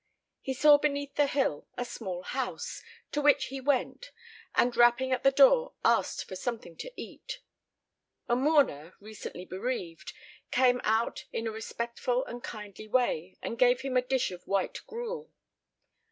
He saw beneath the hill a small house, to which he went, and rapping at the door asked for something to eat. A mourner, recently bereaved, came out in a respectful and kindly way, and gave him a dish of white gruel.